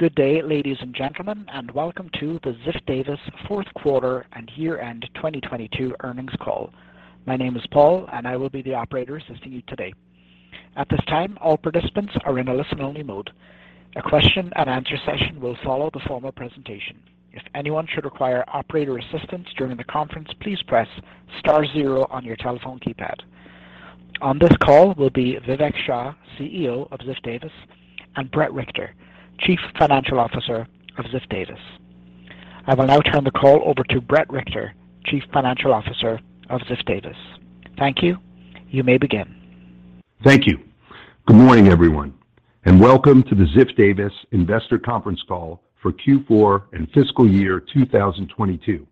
Good day, ladies and gentlemen, and welcome to the Ziff Davis fourth quarter and year-end 2022 earnings call. My name is Paul and I will be the operator assisting you today. At this time, all participants are in a listen-only mode. A question-and-answer session will follow the formal presentation. If anyone should require operator assistance during the conference, please press star zero on your telephone keypad. On this call will be Vivek Shah, CEO of Ziff Davis, and Bret Richter, Chief Financial Officer of Ziff Davis. I will now turn the call over to Bret Richter, Chief Financial Officer of Ziff Davis. Thank you. You may begin. Thank you. Good morning, everyone, and welcome to the Ziff Davis investor conference call for Q4 and fiscal year 2022.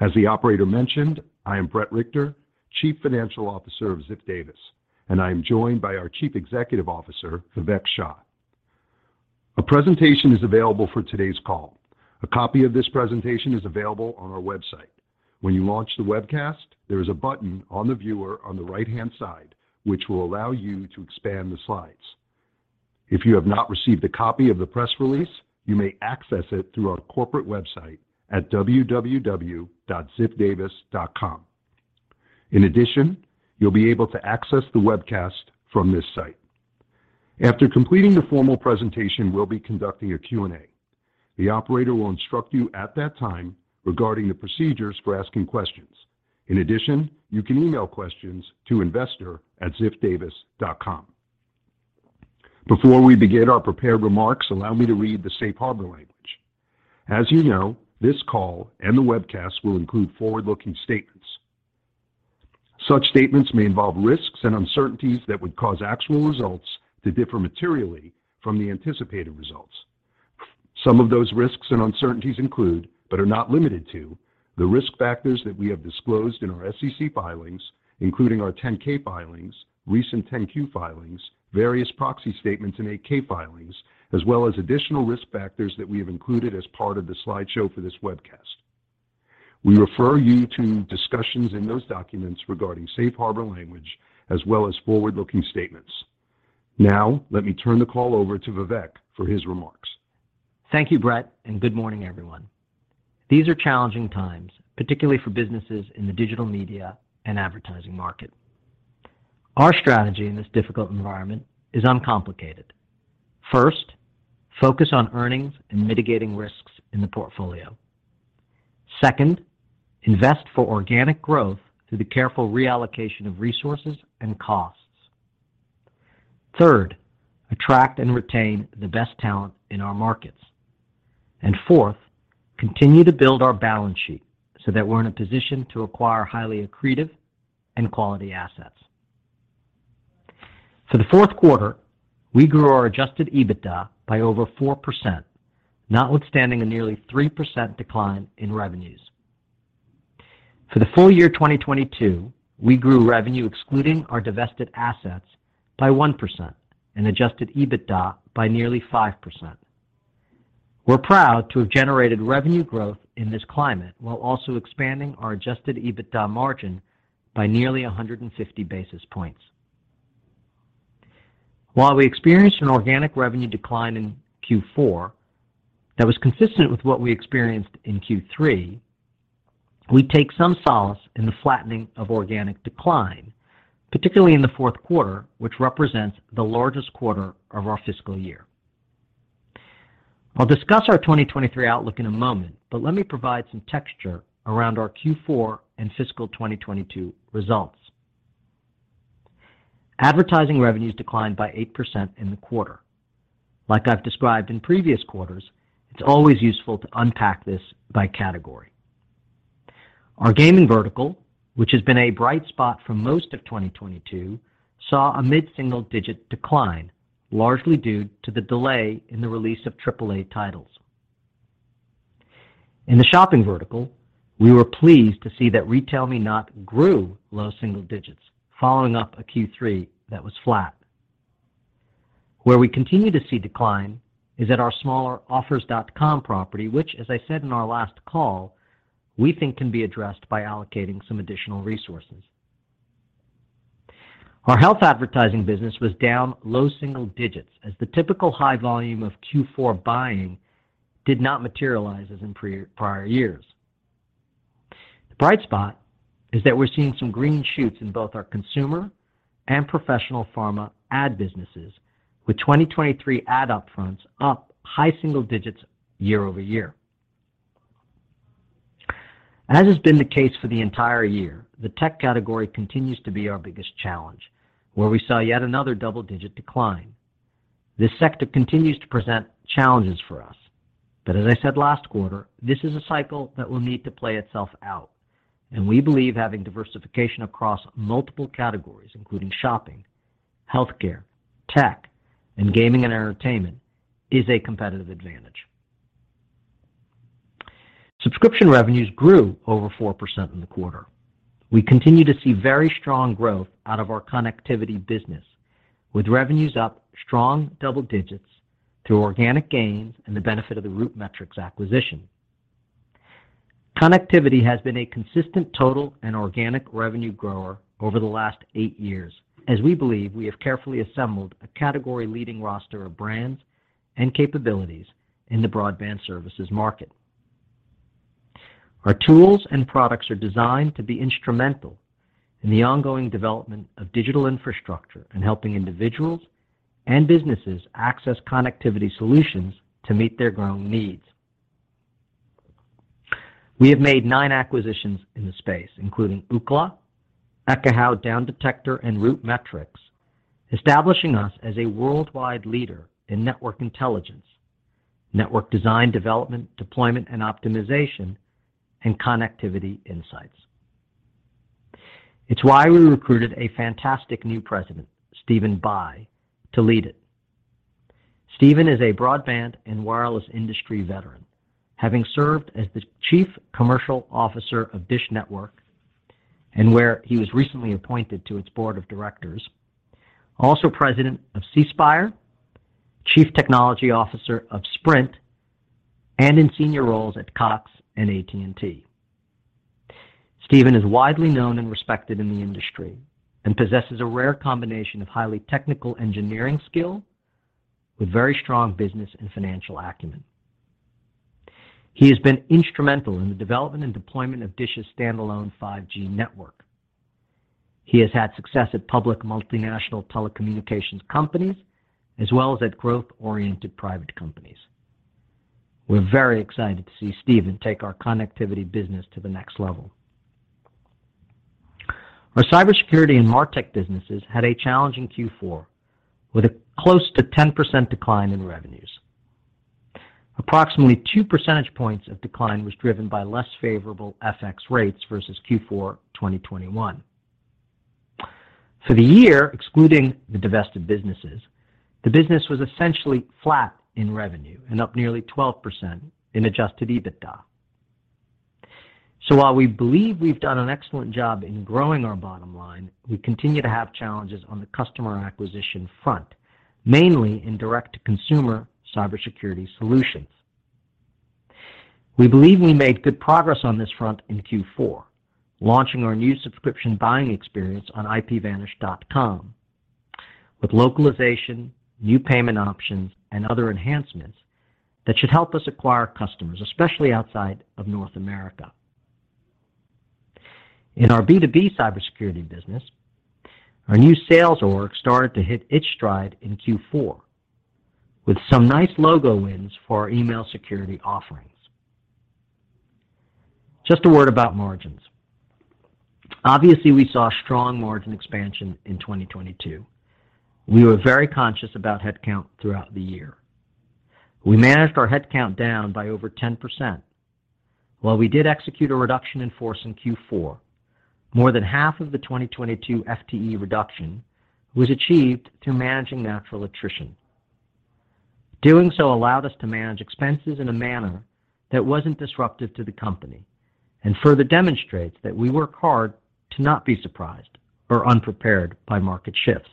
As the operator mentioned, I am Bret Richter, Chief Financial Officer of Ziff Davis, and I am joined by our Chief Executive Officer, Vivek Shah. A presentation is available for today's call. A copy of this presentation is available on our website. When you launch the webcast, there is a button on the viewer on the right-hand side which will allow you to expand the slides. If you have not received a copy of the press release, you may access it through our corporate website at www.ziffdavis.com. In addition, you'll be able to access the webcast from this site. After completing the formal presentation, we'll be conducting a Q&A. The operator will instruct you at that time regarding the procedures for asking questions. In addition, you can email questions to investor@ziffdavis.com. Before we begin our prepared remarks, allow me to read the safe harbor language. As you know, this call and the webcast will include forward-looking statements. Such statements may involve risks and uncertainties that would cause actual results to differ materially from the anticipated results. Some of those risks and uncertainties include, but are not limited to, the risk factors that we have disclosed in our SEC filings, including our 10-K filings, recent 10-Q filings, various proxy statements, and 8-K filings, as well as additional risk factors that we have included as part of the slideshow for this webcast. We refer you to discussions in those documents regarding safe harbor language as well as forward-looking statements. Now, let me turn the call over to Vivek for his remarks. Thank you, Bret, and good morning, everyone. These are challenging times, particularly for businesses in the digital media and advertising market. Our strategy in this difficult environment is uncomplicated. First, focus on earnings and mitigating risks in the portfolio. Second, invest for organic growth through the careful reallocation of resources and costs. Third, attract and retain the best talent in our markets. Fourth, continue to build our balance sheet so that we're in a position to acquire highly accretive and quality assets. For the fourth quarter, we grew our Adjusted EBITDA by over 4%, notwithstanding a nearly 3% decline in revenues. For the full year 2022, we grew revenue excluding our divested assets by 1% and Adjusted EBITDA by nearly 5%. We're proud to have generated revenue growth in this climate while also expanding our Adjusted EBITDA margin by nearly 150 basis points. We experienced an organic revenue decline in Q4 that was consistent with what we experienced in Q3, we take some solace in the flattening of organic decline, particularly in the fourth quarter, which represents the largest quarter of our fiscal year. I'll discuss our 2023 outlook in a moment, but let me provide some texture around our Q4 and fiscal 2022 results. Advertising revenues declined by 8% in the quarter. I've described in previous quarters, it's always useful to unpack this by category. Our gaming vertical, which has been a bright spot for most of 2022, saw a mid-single-digit decline, largely due to the delay in the release of AAA titles. In the shopping vertical, we were pleased to see that RetailMeNot grew low single digits following up a Q3 that was flat. Where we continue to see decline is at our smaller Offers.com property, which as I said in our last call, we think can be addressed by allocating some additional resources. Our health advertising business was down low single digits as the typical high volume of Q4 buying did not materialize as in prior years. The bright spot is that we're seeing some green shoots in both our consumer and professional pharma ad businesses, with 2023 ad upfronts up high single digits year-over-year. As has been the case for the entire year, the tech category continues to be our biggest challenge, where we saw yet another double-digit decline. This sector continues to present challenges for us. As I said last quarter, this is a cycle that will need to play itself out, and we believe having diversification across multiple categories, including shopping, healthcare, tech, and gaming and entertainment, is a competitive advantage. Subscription revenues grew over 4% in the quarter. We continue to see very strong growth out of our connectivity business, with revenues up strong double digits through organic gains and the benefit of the RootMetrics acquisition. Connectivity has been a consistent total and organic revenue grower over the last eight years, as we believe we have carefully assembled a category-leading roster of brands and capabilities in the broadband services market. Our tools and products are designed to be instrumental in the ongoing development of digital infrastructure and helping individuals and businesses access connectivity solutions to meet their growing needs. We have made nine acquisitions in the space, including Ookla, Ekahau Downdetector, and RootMetrics, establishing us as a worldwide leader in network intelligence, network design, development, deployment, and optimization, and connectivity insights. It's why we recruited a fantastic new President, Stephen Bye, to lead it. Stephen is a broadband and wireless industry veteran, having served as the Chief Commercial Officer of DISH Network, where he was recently appointed to its board of directors. President of C Spire, Chief Technology Officer of Sprint, and in senior roles at Cox and AT&T. Stephen is widely known and respected in the industry and possesses a rare combination of highly technical engineering skill with very strong business and financial acumen. He has been instrumental in the development and deployment of DISH's standalone 5G network. He has had success at public multinational telecommunications companies as well as at growth-oriented private companies. We're very excited to see Stephen take our connectivity business to the next level. Our cybersecurity and MarTech businesses had a challenging Q4 with a close to 10% decline in revenues. Approximately 2 percentage points of decline was driven by less favorable FX rates versus Q4 2021. For the year, excluding the divested businesses, the business was essentially flat in revenue and up nearly 12% in Adjusted EBITDA. While we believe we've done an excellent job in growing our bottom line, we continue to have challenges on the customer acquisition front, mainly in direct-to-consumer cybersecurity solutions. We believe we made good progress on this front in Q4, launching our new subscription buying experience on ipvanish.com with localization, new payment options, and other enhancements that should help us acquire customers, especially outside of North America. In our B2B cybersecurity business, our new sales org started to hit its stride in Q4 with some nice logo wins for our email security offerings. Just a word about margins. Obviously, we saw strong margin expansion in 2022. We were very conscious about headcount throughout the year. We managed our headcount down by over 10%. While we did execute a reduction in force in Q4, more than half of the 2022 FTE reduction was achieved through managing natural attrition. Doing so allowed us to manage expenses in a manner that wasn't disruptive to the company and further demonstrates that we work hard to not be surprised or unprepared by market shifts.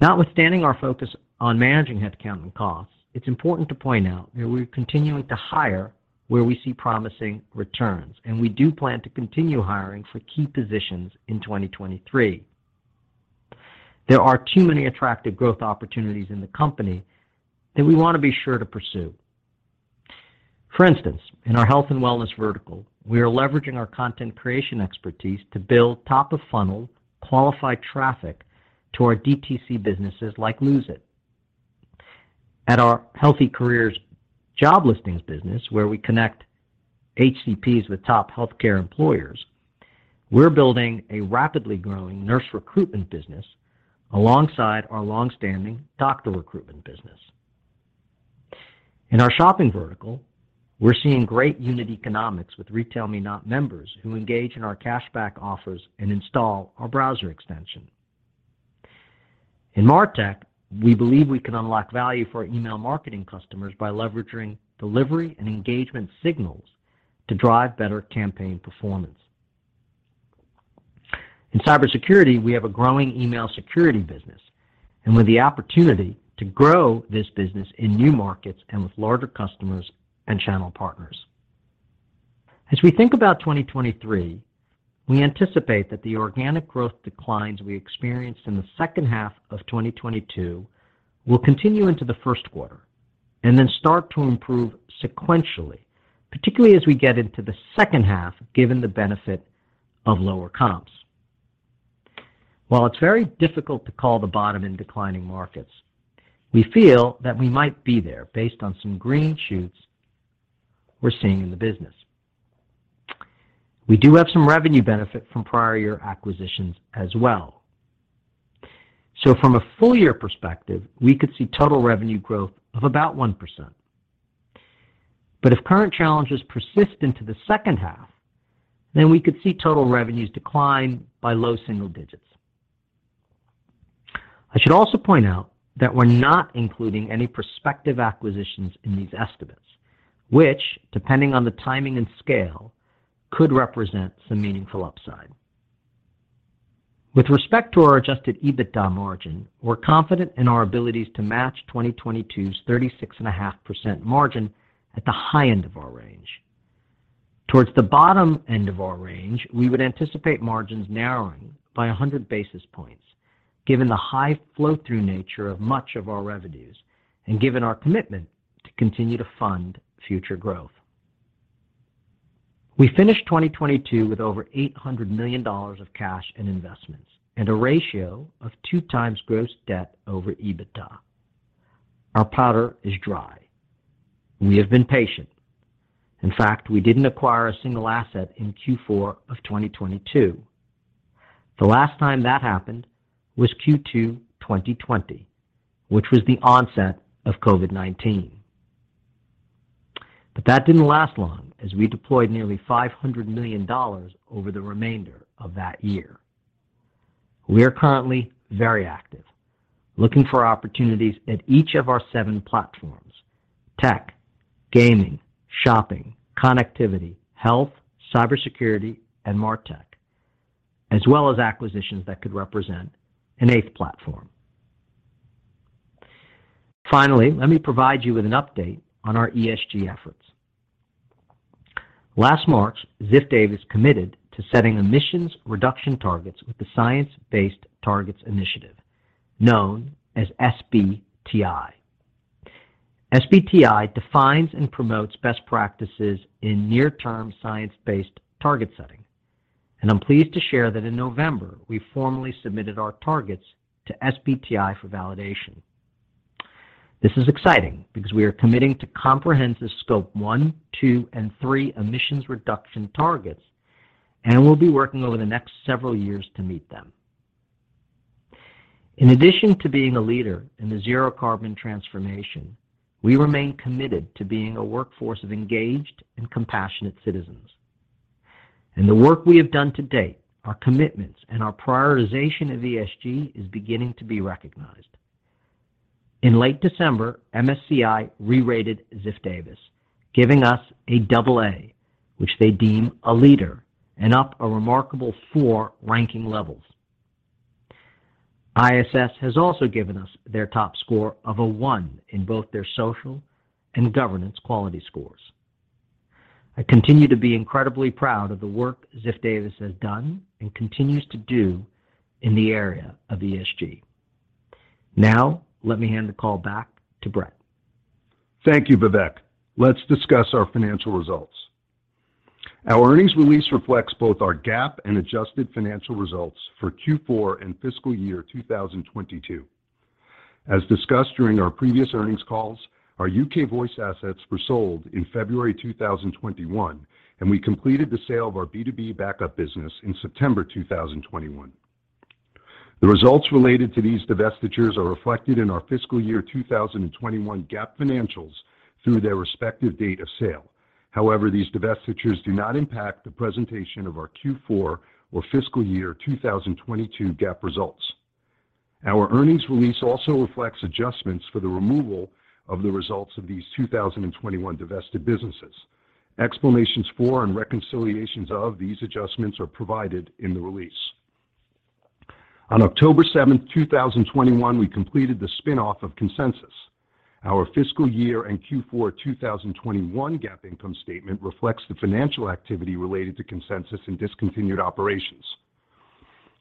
Notwithstanding our focus on managing headcount and costs, it's important to point out that we're continuing to hire where we see promising returns, and we do plan to continue hiring for key positions in 2023. There are too many attractive growth opportunities in the company that we want to be sure to pursue. For instance, in our health and wellness vertical, we are leveraging our content creation expertise to build top-of-funnel, qualified traffic to our DTC businesses like Lose It!. At our HealtheCareers job listings business, where we connect HCPs with top healthcare employers, we're building a rapidly growing nurse recruitment business alongside our long-standing doctor recruitment business. In our shopping vertical, we're seeing great unit economics with RetailMeNot members who engage in our cashback offers and install our browser extension. In MarTech, we believe we can unlock value for email marketing customers by leveraging delivery and engagement signals to drive better campaign performance. In cybersecurity, we have a growing email security business and with the opportunity to grow this business in new markets and with larger customers and channel partners. As we think about 2023, we anticipate that the organic growth declines we experienced in the second half of 2022 will continue into the first quarter and then start to improve sequentially, particularly as we get into the second half, given the benefit of lower comps. While it's very difficult to call the bottom in declining markets, we feel that we might be there based on some green shoots we're seeing in the business. We do have some revenue benefit from prior year acquisitions as well. From a full year perspective, we could see total revenue growth of about 1%. If current challenges persist into the second half, then we could see total revenues decline by low single digits. I should also point out that we're not including any prospective acquisitions in these estimates, which, depending on the timing and scale, could represent some meaningful upside. With respect to our Adjusted EBITDA margin, we're confident in our abilities to match 2022's 36.5% margin at the high end of our range. Towards the bottom end of our range, we would anticipate margins narrowing by 100 basis points given the high flow-through nature of much of our revenues and given our commitment to continue to fund future growth. We finished 2022 with over $800 million of cash and investments and a ratio of 2 times gross debt over EBITDA. Our powder is dry. We have been patient. In fact, we didn't acquire a single asset in Q4 of 2022. The last time that happened was Q2 2020, which was the onset of COVID-19. That didn't last long as we deployed nearly $500 million over the remainder of that year. We are currently very active, looking for opportunities at each of our seven platforms: tech, gaming, shopping, connectivity, health, cybersecurity, and MarTech, as well as acquisitions that could represent an eighth platform. Finally, let me provide you with an update on our ESG efforts. Last March, Ziff Davis committed to setting emissions reduction targets with the Science Based Targets initiative, known as SBTI. SBTI defines and promotes best practices in near-term science-based target setting, and I'm pleased to share that in November, we formally submitted our targets to SBTI for validation. This is exciting because we are committing to comprehensive Scope 1, 2, and 3 emissions reduction targets. We'll be working over the next several years to meet them. In addition to being a leader in the zero carbon transformation, we remain committed to being a workforce of engaged and compassionate citizens. The work we have done to date, our commitments, and our prioritization of ESG is beginning to be recognized. In late December, MSCI re-rated Ziff Davis, giving us a AA, which they deem a leader, and up a remarkable four ranking levels. ISS has also given us their top score of a one in both their social and governance quality scores. I continue to be incredibly proud of the work Ziff Davis has done and continues to do in the area of ESG. Now, let me hand the call back to Bret. Thank you, Vivek. Let's discuss our financial results. Our earnings release reflects both our GAAP and adjusted financial results for Q4 and fiscal year 2022. As discussed during our previous earnings calls, our U.K. voice assets were sold in February 2021, and we completed the sale of our B2B backup business in September 2021. The results related to these divestitures are reflected in our fiscal year 2021 GAAP financials through their respective date of sale. However, these divestitures do not impact the presentation of our Q4 or fiscal year 2022 GAAP results. Our earnings release also reflects adjustments for the removal of the results of these 2021 divested businesses. Explanations for and reconciliations of these adjustments are provided in the release. On October 7th, 2021, we completed the spin-off of Consensus. Our fiscal year and Q4 2021 GAAP income statement reflects the financial activity related to Consensus and discontinued operations.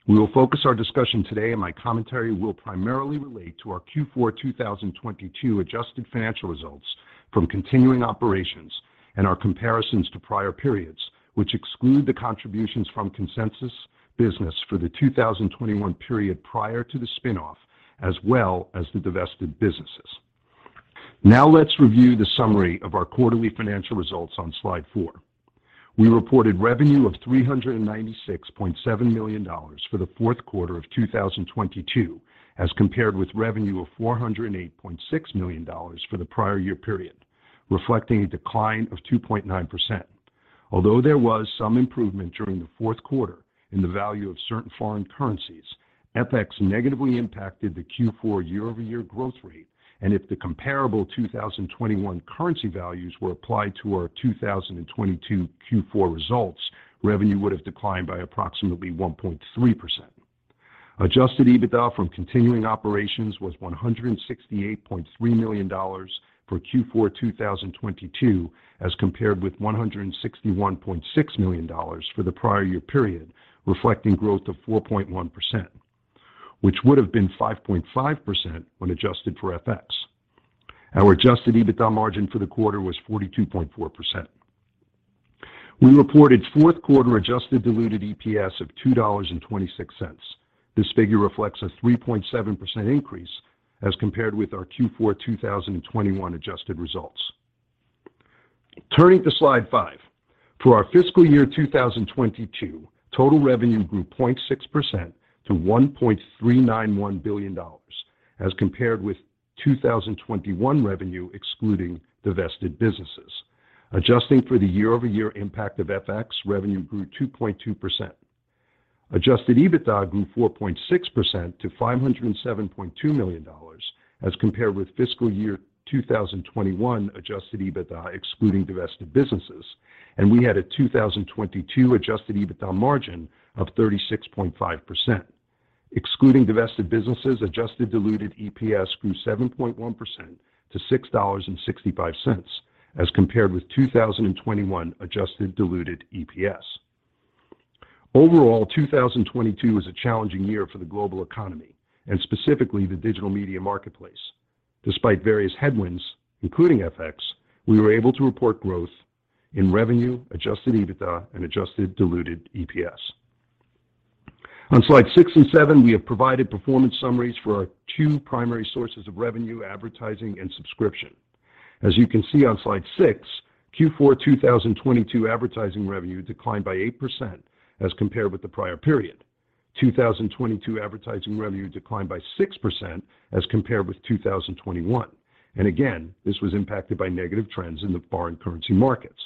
We will focus our discussion today, and my commentary will primarily relate to our Q4 2022 adjusted financial results from continuing operations and our comparisons to prior periods, which exclude the contributions from Consensus business for the 2021 period prior to the spin-off, as well as the divested businesses. Let's review the summary of our quarterly financial results on slide four. We reported revenue of $396.7 million for the fourth quarter of 2022, as compared with revenue of $408.6 million for the prior year period, reflecting a decline of 2.9%. Although there was some improvement during the fourth quarter in the value of certain foreign currencies, FX negatively impacted the Q4 year-over-year growth rate, and if the comparable 2021 currency values were applied to our 2022 Q4 results, revenue would have declined by approximately 1.3%. Adjusted EBITDA from continuing operations was $168.3 million for Q4 2022, as compared with $161.6 million for the prior year period, reflecting growth of 4.1%, which would have been 5.5% when adjusted for FX. Our Adjusted EBITDA margin for the quarter was 42.4%. We reported fourth quarter adjusted diluted EPS of $2.26. This figure reflects a 3.7% increase as compared with our Q4 2021 adjusted results. Turning to slide five. For our fiscal year 2022, total revenue grew 0.6% to $1.391 billion as compared with 2021 revenue excluding divested businesses. Adjusting for the year-over-year impact of FX, revenue grew 2.2%. Adjusted EBITDA grew 4.6% to $507.2 million, as compared with fiscal year 2021 Adjusted EBITDA excluding divested businesses, and we had a 2022 Adjusted EBITDA margin of 36.5%. Excluding divested businesses, adjusted diluted EPS grew 7.1% to $6.65 as compared with 2021 adjusted diluted EPS. Overall, 2022 was a challenging year for the global economy and specifically the digital media marketplace. Despite various headwinds, including FX, we were able to report growth in revenue, Adjusted EBITDA and adjusted diluted EPS. On slide six and seven, we have provided performance summaries for our two primary sources of revenue, advertising and subscription. As you can see on slide six, Q4 2022 advertising revenue declined by 8% as compared with the prior period. 2022 advertising revenue declined by 6% as compared with 2021. Again, this was impacted by negative trends in the foreign currency markets.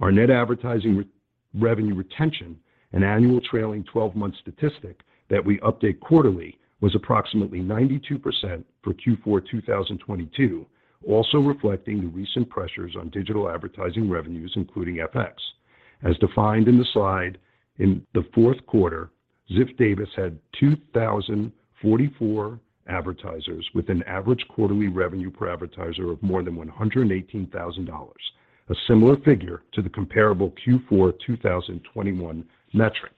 Our net advertising revenue retention, an annual trailing 12-month statistic that we update quarterly, was approximately 92% for Q4 2022, also reflecting the recent pressures on digital advertising revenues, including FX. As defined in the slide, in the fourth quarter, Ziff Davis had 2,044 advertisers with an average quarterly revenue per advertiser of more than $118,000, a similar figure to the comparable Q4 2021 metric.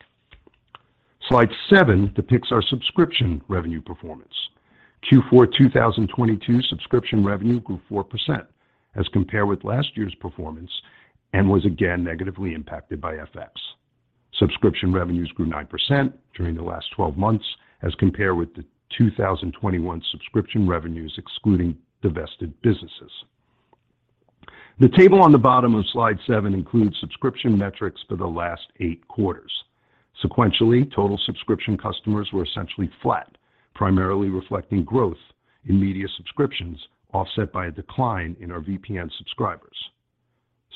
Slide seven depicts our subscription revenue performance. Q4 2022 subscription revenue grew 4% as compared with last year's performance and was again negatively impacted by FX. Subscription revenues grew 9% during the last 12 months as compared with the 2021 subscription revenues excluding divested businesses. The table on the bottom of slide seven includes subscription metrics for the last eight quarters. Sequentially, total subscription customers were essentially flat, primarily reflecting growth in media subscriptions, offset by a decline in our VPN subscribers.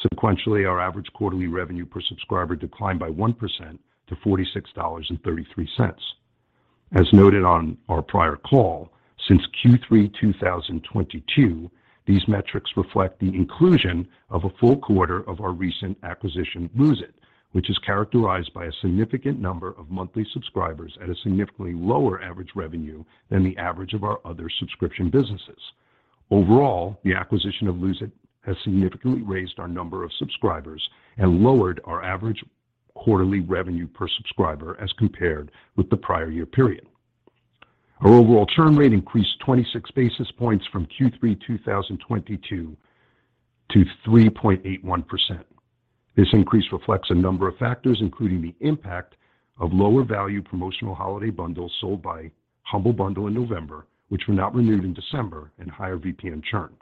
Sequentially, our average quarterly revenue per subscriber declined by 1% to $46.33. As noted on our prior call, since Q3 2022, these metrics reflect the inclusion of a full quarter of our recent acquisition, Lose It!, which is characterized by a significant number of monthly subscribers at a significantly lower average revenue than the average of our other subscription businesses. Overall, the acquisition of Lose It! has significantly raised our number of subscribers and lowered our average quarterly revenue per subscriber as compared with the prior year period. Our overall churn rate increased 26 basis points from Q3 2022 to 3.81%. This increase reflects a number of factors, including the impact of lower-value promotional holiday bundles sold by Humble Bundle in November, which were not renewed in December and higher VPN churn.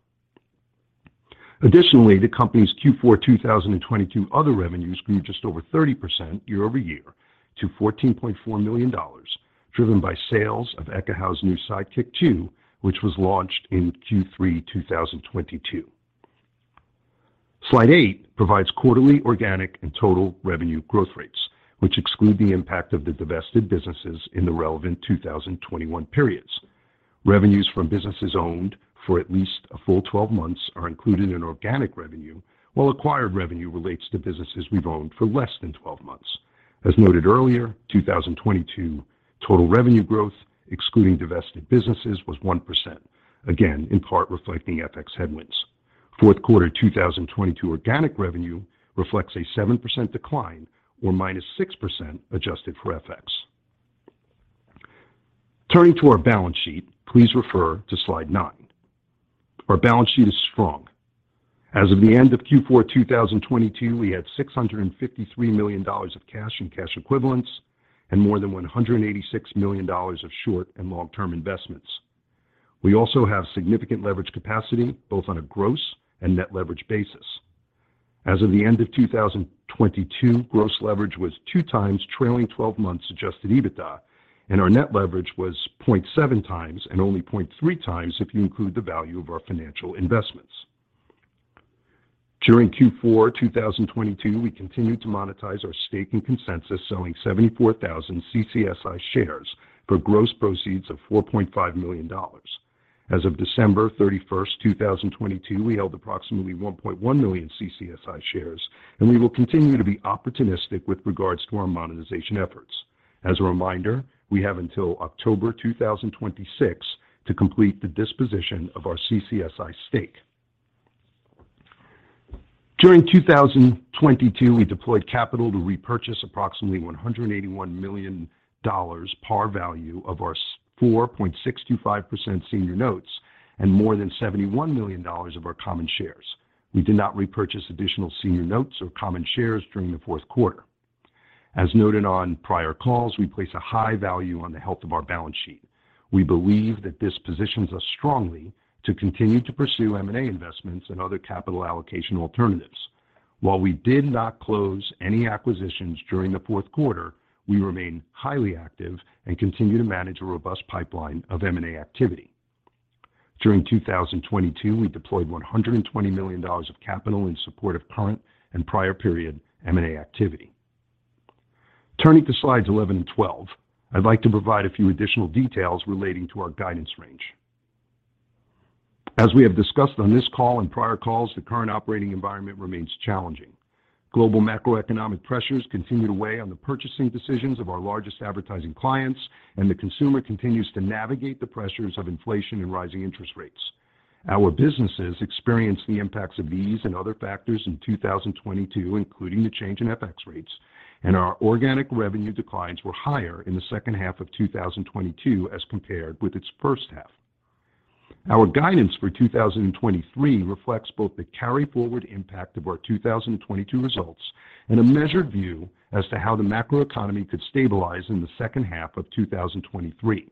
Additionally, the company's Q4 2022 other revenues grew just over 30% year-over-year to $14.4 million, driven by sales of Ekahau's new Sidekick 2, which was launched in Q3 2022. Slide eight provides quarterly organic and total revenue growth rates, which exclude the impact of the divested businesses in the relevant 2021 periods. Revenues from businesses owned for at least a full 12 months are included in organic revenue, while acquired revenue relates to businesses we've owned for less than 12 months. As noted earlier, 2022 total revenue growth, excluding divested businesses, was 1%. Again, in part reflecting FX headwinds. Fourth quarter 2022 organic revenue reflects a 7% decline or -6% adjusted for FX. Turning to our balance sheet, please refer to slide nine. Our balance sheet is strong. As of the end of Q4 2022, we had $653 million of cash and cash equivalents and more than $186 million of short and long-term investments. We also have significant leverage capacity, both on a gross and net leverage basis. As of the end of 2022, gross leverage was 2 times trailing 12 months Adjusted EBITDA, and our net leverage was 0.7 times and only 0.3 times if you include the value of our financial investments. During Q4 2022, we continued to monetize our stake in Consensus, selling 74,000 CCSI shares for gross proceeds of $4.5 million. As of December 31st, 2022, we held approximately 1.1 million CCSI shares, and we will continue to be opportunistic with regards to our monetization efforts. As a reminder, we have until October 2026 to complete the disposition of our CCSI stake. During 2022, we deployed capital to repurchase approximately $181 million par value of our 4.625% senior notes and more than $71 million of our common shares. We did not repurchase additional senior notes or common shares during the fourth quarter. As noted on prior calls, we place a high value on the health of our balance sheet. We believe that this positions us strongly to continue to pursue M&A investments and other capital allocation alternatives. While we did not close any acquisitions during the fourth quarter, we remain highly active and continue to manage a robust pipeline of M&A activity. During 2022, we deployed $120 million of capital in support of current and prior period M&A activity. Turning to slides 11 and 12, I'd like to provide a few additional details relating to our guidance range. As we have discussed on this call and prior calls, the current operating environment remains challenging. Global macroeconomic pressures continue to weigh on the purchasing decisions of our largest advertising clients, and the consumer continues to navigate the pressures of inflation and rising interest rates. Our businesses experienced the impacts of these and other factors in 2022, including the change in FX rates, our organic revenue declines were higher in the second half of 2022 as compared with its first half. Our guidance for 2023 reflects both the carry-forward impact of our 2022 results and a measured view as to how the macro economy could stabilize in the second half of 2023.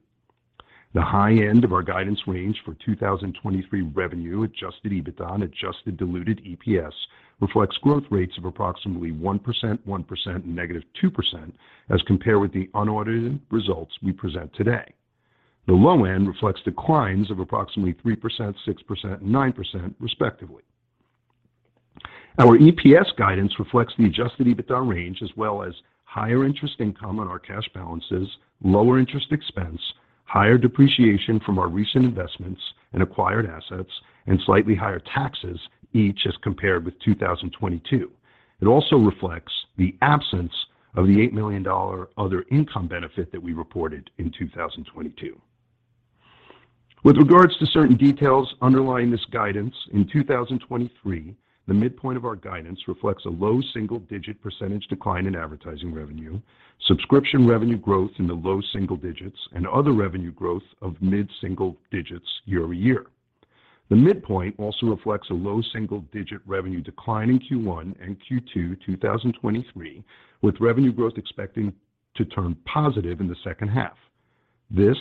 The high end of our guidance range for 2023 revenue Adjusted EBITDA on adjusted diluted EPS reflects growth rates of approximately 1%, 1%, and -2% as compared with the unaudited results we present today. The low end reflects declines of approximately 3%, 6%, and 9% respectively. Our EPS guidance reflects the Adjusted EBITDA range as well as higher interest income on our cash balances, lower interest expense, higher depreciation from our recent investments in acquired assets, and slightly higher taxes, each as compared with 2022. It also reflects the absence of the $8 million other income benefit that we reported in 2022. With regards to certain details underlying this guidance, in 2023, the midpoint of our guidance reflects a low single-digit % decline in advertising revenue, subscription revenue growth in the low single digits, and other revenue growth of mid single digits year-over-year. The midpoint also reflects a low single-digit revenue decline in Q1 and Q2 2023, with revenue growth expecting to turn positive in the second half. This,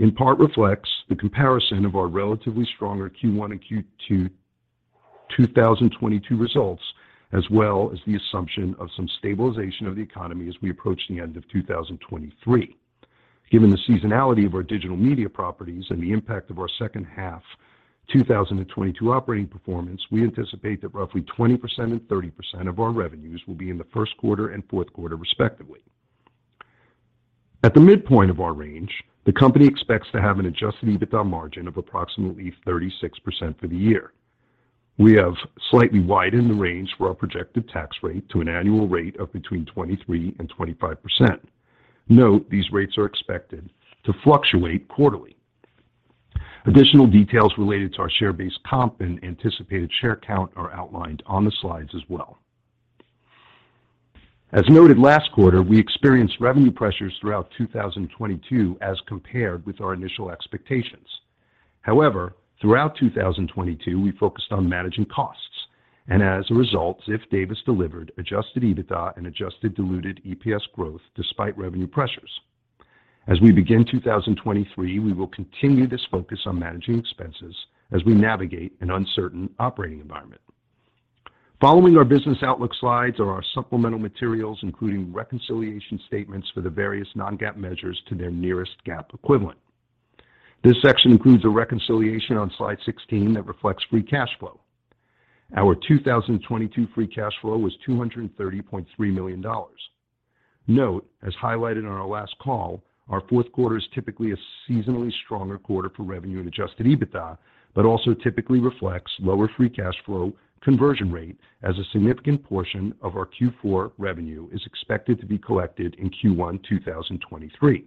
in part, reflects the comparison of our relatively stronger Q1 and Q2 2022 results, as well as the assumption of some stabilization of the economy as we approach the end of 2023. Given the seasonality of our digital media properties and the impact of our second half 2022 operating performance, we anticipate that roughly 20% and 30% of our revenues will be in the first quarter and fourth quarter, respectively. At the midpoint of our range, the company expects to have an Adjusted EBITDA margin of approximately 36% for the year. We have slightly widened the range for our projected tax rate to an annual rate of between 23% and 25%. Note these rates are expected to fluctuate quarterly. Additional details related to our share-based comp and anticipated share count are outlined on the slides as well. Noted last quarter, we experienced revenue pressures throughout 2022 as compared with our initial expectations. Throughout 2022, we focused on managing costs, and as a result, Ziff Davis delivered Adjusted EBITDA and adjusted diluted EPS growth despite revenue pressures. As we begin 2023, we will continue this focus on managing expenses as we navigate an uncertain operating environment. Following our business outlook slides are our supplemental materials, including reconciliation statements for the various non-GAAP measures to their nearest GAAP equivalent. This section includes a reconciliation on slide 16 that reflects free cash flow. Our 2022 free cash flow was $230.3 million. Note, as highlighted on our last call, our fourth quarter is typically a seasonally stronger quarter for revenue and Adjusted EBITDA, but also typically reflects lower free cash flow conversion rate as a significant portion of our Q4 revenue is expected to be collected in Q1 2023.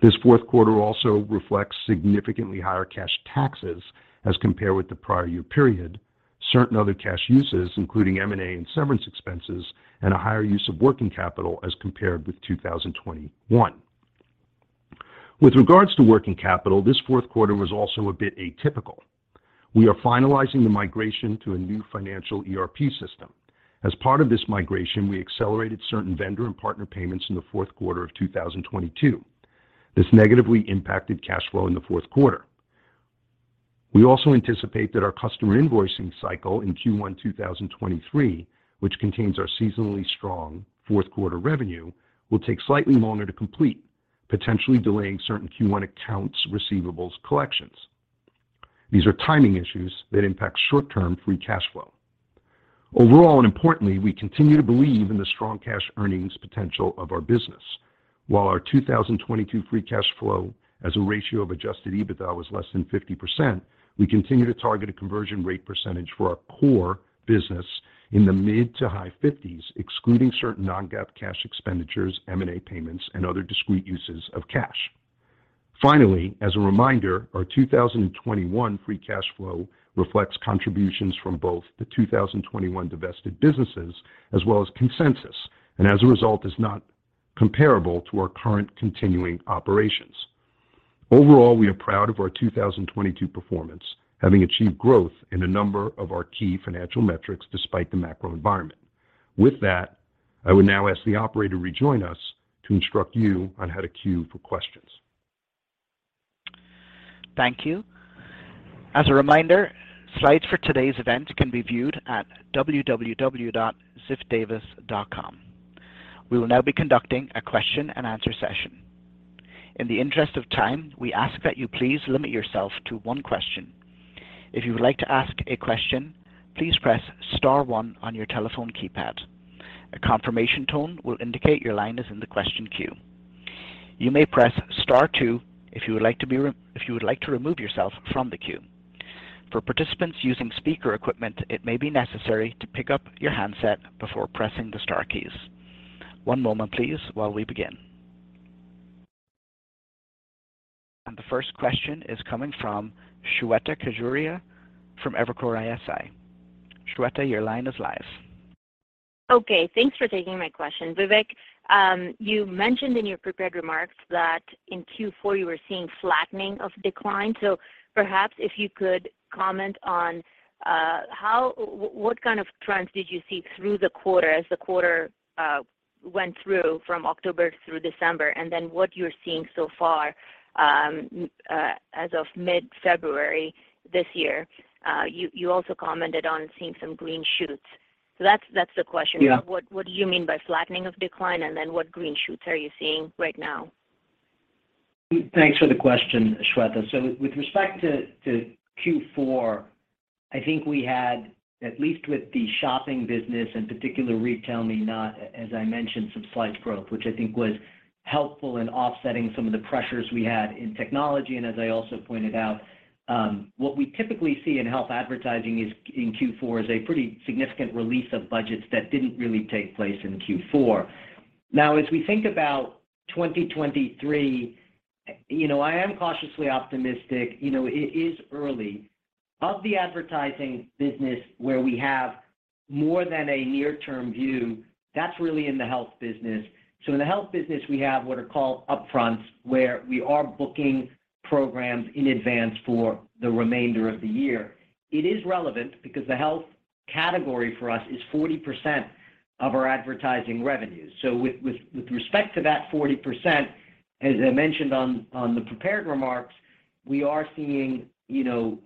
This fourth quarter also reflects significantly higher cash taxes as compared with the prior year period, certain other cash uses, including M&A and severance expenses, and a higher use of working capital as compared with 2021. With regards to working capital, this fourth quarter was also a bit atypical. We are finalizing the migration to a new financial ERP system. As part of this migration, we accelerated certain vendor and partner payments in the fourth quarter of 2022. This negatively impacted cash flow in the fourth quarter. We also anticipate that our customer invoicing cycle in Q1 2023, which contains our seasonally strong fourth quarter revenue, will take slightly longer to complete, potentially delaying certain Q1 accounts receivables collections. These are timing issues that impact short-term free cash flow. Overall, and importantly, we continue to believe in the strong cash earnings potential of our business. While our 2022 free cash flow as a ratio of Adjusted EBITDA was less than 50%, we continue to target a conversion rate percentage for our core business in the mid to high 50s, excluding certain non-GAAP cash expenditures, M&A payments, and other discrete uses of cash. Finally, as a reminder, our 2021 free cash flow reflects contributions from both the 2021 divested businesses as well as Consensus, as a result, is not comparable to our current continuing operations. Overall, we are proud of our 2022 performance, having achieved growth in a number of our key financial metrics despite the macro environment. With that, I would now ask the operator to rejoin us to instruct you on how to queue for questions. Thank you. As a reminder, slides for today's event can be viewed at www.ziffdavis.com. We will now be conducting a question and answer session. In the interest of time, we ask that you please limit yourself to one question. If you would like to ask a question, please press star one on your telephone keypad. A confirmation tone will indicate your line is in the question queue. You may press star two if you would like to remove yourself from the queue. For participants using speaker equipment, it may be necessary to pick up your handset before pressing the star keys. One moment please while we begin. The first question is coming from Shweta Khajuria from Evercore ISI. Shweta, your line is live. Okay. Thanks for taking my question. Vivek, you mentioned in your prepared remarks that in Q4 you were seeing flattening of decline. Perhaps if you could comment on what kind of trends did you see through the quarter as the quarter went through from October through December, and then what you're seeing so far as of mid-February this year. You also commented on seeing some green shoots. That's the question. Yeah. What do you mean by flattening of decline, and then what green shoots are you seeing right now? Thanks for the question, Shweta. With respect to Q4, I think we had, at least with the shopping business and particularly RetailMeNot, as I mentioned, some slight growth, which I think was helpful in offsetting some of the pressures we had in technology. As I also pointed out, what we typically see in health advertising is, in Q4, is a pretty significant release of budgets that didn't really take place in Q4. As we think about 2023, you know, I am cautiously optimistic. You know, it is early. Of the advertising business where we have more than a near-term view, that's really in the health business. In the health business we have what are called upfronts, where we are booking programs in advance for the remainder of the year. It is relevant because the health category for us is 40% of our advertising revenues. With respect to that 40%, as I mentioned on the prepared remarks, we are seeing, you know,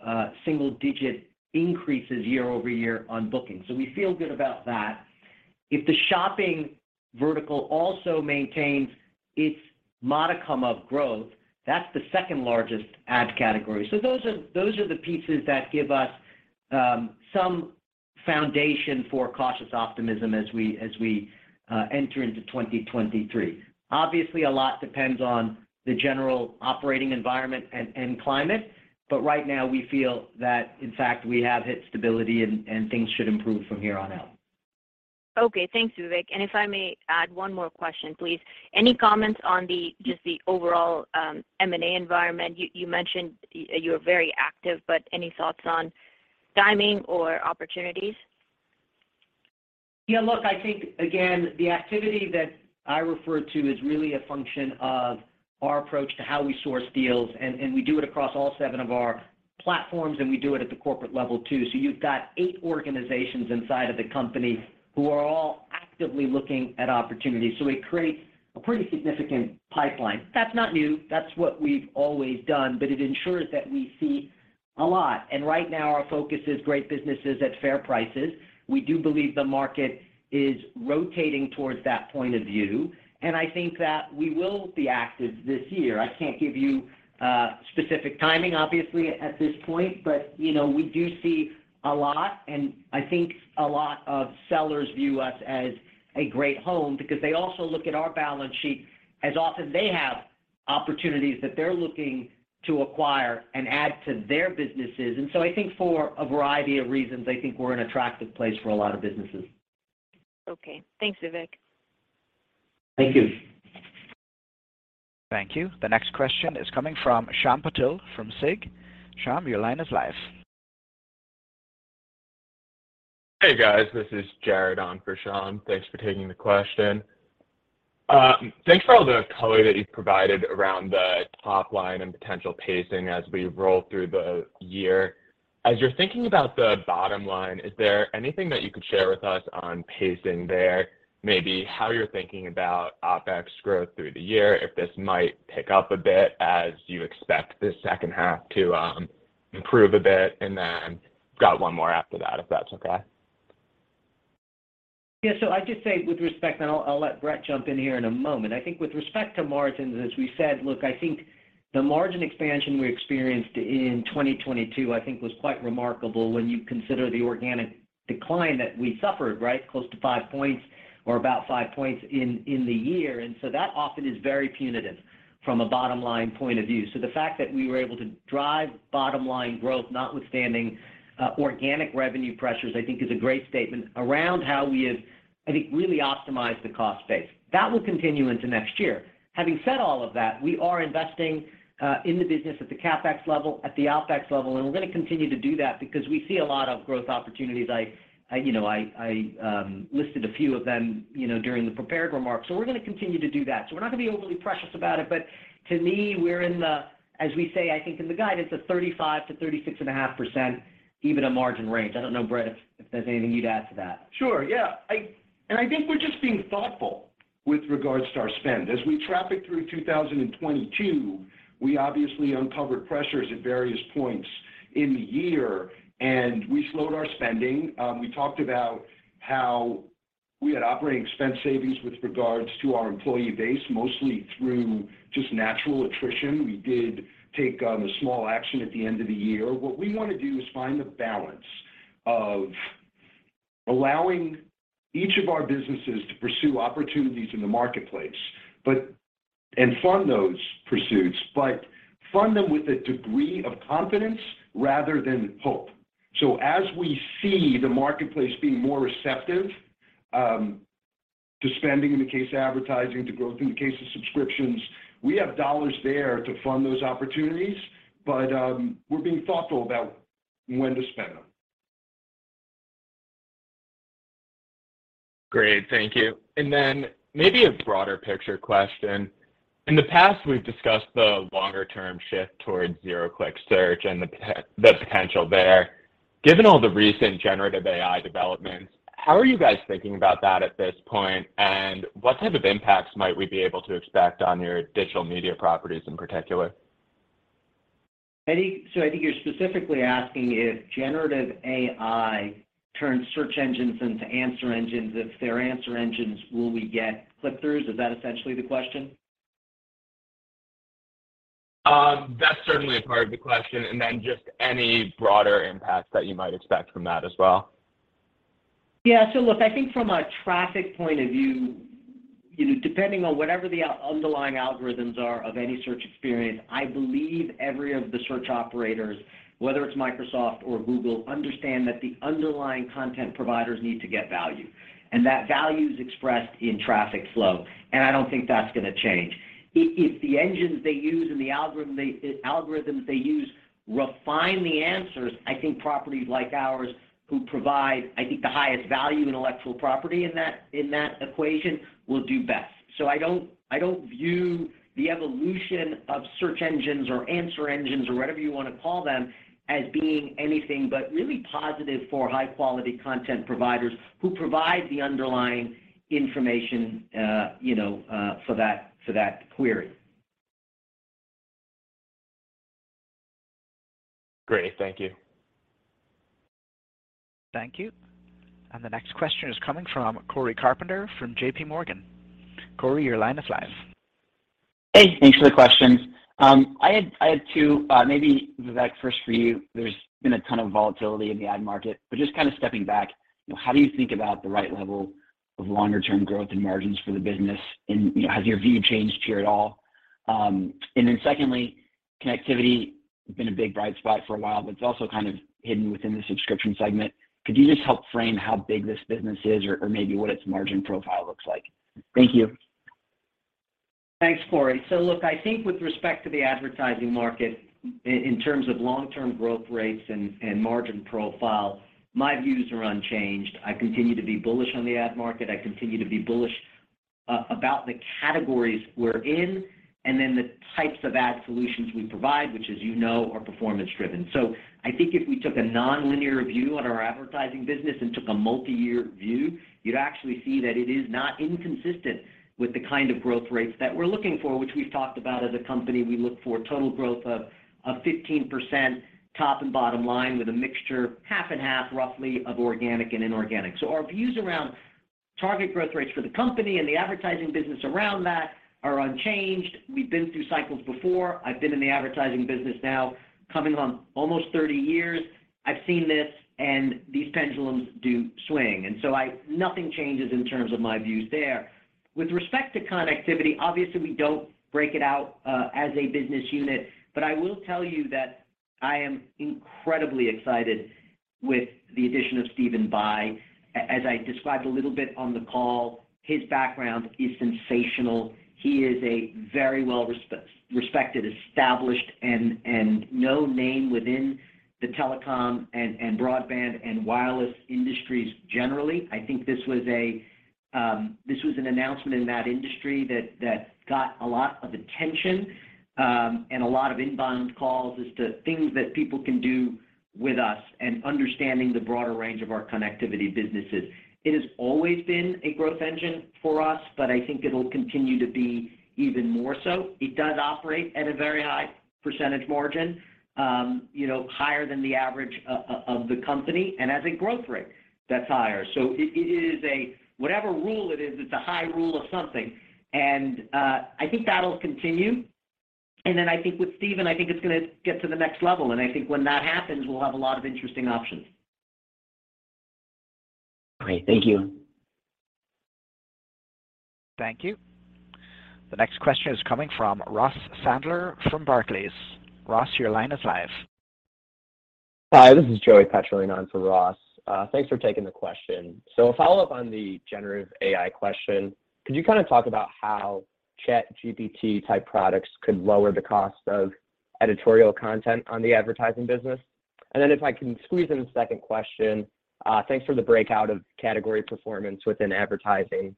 single-digit increases year-over-year on bookings. We feel good about that. If the shopping vertical also maintains its modicum of growth, that's the second largest ad category. Those are the pieces that give us some foundation for cautious optimism as we enter into 2023. Obviously, a lot depends on the general operating environment and climate. Right now we feel that, in fact, we have hit stability and things should improve from here on out. Okay. Thanks, Vivek. If I may add one more question, please. Any comments on the, just the overall M&A environment? You mentioned you're very active, but any thoughts on timing or opportunities? Yeah, look, I think, again, the activity that I referred to is really a function of our approach to how we source deals and we do it across all seven of our platforms, and we do it at the corporate level too. You've got eight organizations inside of the company who are all actively looking at opportunities, so it creates a pretty significant pipeline. That's not new. That's what we've always done, but it ensures that we see a lot. Right now our focus is great businesses at fair prices. We do believe the market is rotating towards that point of view, and I think that we will be active this year. I can't give you specific timing obviously at this point, but, you know, we do see a lot, and I think a lot of sellers view us as a great home because they also look at our balance sheet as often they have opportunities that they're looking to acquire and add to their businesses. I think for a variety of reasons, I think we're an attractive place for a lot of businesses. Okay. Thanks, Vivek. Thank you. Thank you. The next question is coming from Shyam Patil from SIG. Shyam, your line is live. Hey, guys. This is Jared on for Shyam. Thanks for taking the question. Thanks for all the color that you've provided around the top line and potential pacing as we roll through the year. As you're thinking about the bottom line, is there anything that you could share with us on pacing there? Maybe how you're thinking about OpEx growth through the year, if this might pick up a bit as you expect the second half to improve a bit? Got one more after that, if that's okay. Yeah. I'd just say with respect... and I'll let Bret jump in here in a moment. I think with respect to margins, as we said, look, I think the margin expansion we experienced in 2022 I think was quite remarkable when you consider the organic decline that we suffered, right? Close to five points or about five points in the year. That often is very punitive from a bottom-line point of view. The fact that we were able to drive bottom-line growth notwithstanding organic revenue pressures, I think is a great statement around how we have, I think, really optimized the cost base. That will continue into next year. Having said all of that, we are investing in the business at the CapEx level, at the OpEx level, we're gonna continue to do that because we see a lot of growth opportunities. You know, I listed a few of them, you know, during the prepared remarks. We're gonna continue to do that. We're not gonna be overly precious about it. To me, we're in the, as we say, I think in the guidance, a 35% to 36.5% EBITDA margin range. I don't know, Bret, if there's anything you'd add to that. Sure, yeah. I think we're just being thoughtful with regards to our spend. As we traffic through 2022. We obviously uncovered pressures at various points in the year, and we slowed our spending. We talked about how we had operating expense savings with regards to our employee base, mostly through just natural attrition. We did take a small action at the end of the year. What we wanna do is find the balance of allowing each of our businesses to pursue opportunities in the marketplace, and fund those pursuits, but fund them with a degree of confidence rather than hope. As we see the marketplace being more receptive to spending in the case of advertising, to growth in the case of subscriptions, we have dollars there to fund those opportunities, but we're being thoughtful about when to spend them. Great. Thank you. Then maybe a broader picture question. In the past, we've discussed the longer term shift towards zero-click search and the potential there. Given all the recent generative AI developments, how are you guys thinking about that at this point? What type of impacts might we be able to expect on your digital media properties in particular? I think you're specifically asking if generative AI turns search engines into answer engines. If they're answer engines, will we get click-throughs? Is that essentially the question? That's certainly a part of the question, just any broader impacts that you might expect from that as well. Look, I think from a traffic point of view, you know, depending on whatever the underlying algorithms are of any search experience, I believe every of the search operators, whether it's Microsoft or Google, understand that the underlying content providers need to get value, that value is expressed in traffic flow, I don't think that's gonna change. If the engines they use and the algorithms they use refine the answers, I think properties like ours who provide, I think, the highest value intellectual property in that equation will do best. I don't view the evolution of search engines or answer engines or whatever you wanna call them as being anything but really positive for high-quality content providers who provide the underlying information, you know, for that query. Great. Thank you. Thank you. The next question is coming from Cory Carpenter from J.P. Morgan. Cory, your line is live. Hey. Thanks for the questions. I had two, maybe, Vivek, first for you. There's been a ton of volatility in the ad market, just kinda stepping back, you know, how do you think about the right level of longer term growth and margins for the business? You know, has your view changed here at all? Secondly, connectivity has been a big bright spot for a while, but it's also kind of hidden within the subscription segment. Could you just help frame how big this business is or maybe what its margin profile looks like? Thank you. Thanks, Cory. Look, I think with respect to the advertising market in terms of long-term growth rates and margin profile, my views are unchanged. I continue to be bullish on the ad market. I continue to be bullish about the categories we're in and then the types of ad solutions we provide, which, as you know, are performance-driven. I think if we took a nonlinear view on our advertising business and took a multiyear view, you'd actually see that it is not inconsistent with the kind of growth rates that we're looking for, which we've talked about as a company. We look for total growth of 15% top and bottom line with a mixture half and half roughly of organic and inorganic. Our views around target growth rates for the company and the advertising business around that are unchanged. We've been through cycles before. I've been in the advertising business now coming on almost 30 years. I've seen this, and these pendulums do swing. Nothing changes in terms of my views there. With respect to connectivity, obviously, we don't break it out as a business unit, but I will tell you that I am incredibly excited with the addition of Stephen Bye. As I described a little bit on the call, his background is sensational. He is a very well respected, established, and known name within the telecom and broadband and wireless industries generally. I think this was a, this was an announcement in that industry that got a lot of attention and a lot of inbound calls as to things that people can do with us and understanding the broader range of our connectivity businesses. It has always been a growth engine for us. I think it'll continue to be even more so. It does operate at a very high percentage margin, you know, higher than the average of the company and has a growth rate that's higher. Whatever rule it is, it's a high rule of something. I think that'll continue. I think with Stephen, I think it's gonna get to the next level, and I think when that happens, we'll have a lot of interesting options. Great. Thank you. Thank you. The next question is coming from Ross Sandler from Barclays. Ross, your line is live. Hi. This is Joey on for Ross. Thanks for taking the question. A follow-up on the generative AI question. Could you kinda talk about how ChatGPT-type products could lower the cost of editorial content on the advertising business? If I can squeeze in a second question, thanks for the breakout of category performance within advertising,